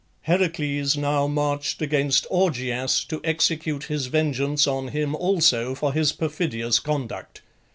Heracles now marched against Augeas to execute his vengeance on him also for his perfidious conduct.